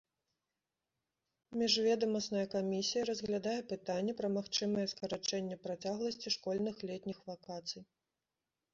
Міжведамасная камісія разглядае пытанне пра магчымае скарачэнне працягласці школьных летніх вакацый.